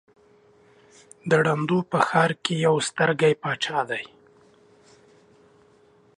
د ړندو په ښآر کې يک سترگى باچا دى.